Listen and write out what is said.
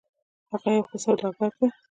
هغه یو ښه سوداګر ده